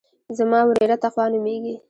زما وريره تقوا نوميږي.